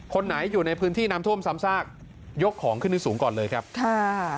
คนไหนอยู่ในพื้นที่น้ำท่วมซ้ำซากยกของขึ้นที่สูงก่อนเลยครับค่ะ